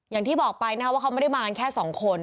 อย่างที่บอกไปนะครับว่าเขาไม่ได้มากันแค่สองคน